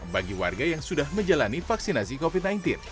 bagi warga yang sudah menjalani vaksinasi covid sembilan belas